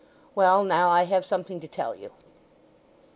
Well, now, I have something to tell you."